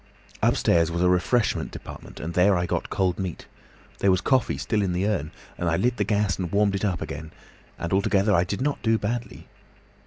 "Upstairs was a refreshment department, and there I got cold meat. There was coffee still in the urn, and I lit the gas and warmed it up again, and altogether I did not do badly.